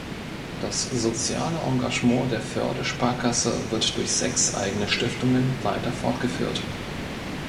Das soziale Engagement der Förde Sparkasse wird durch sechs eigene Stiftungen weiter fortgeführt.